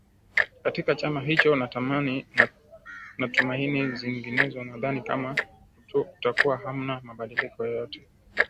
katika chama hicho natumaini zinginezo nadhani kama kutakuwa hamna mabadiliko hayo